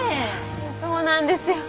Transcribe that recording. そうなんですよ。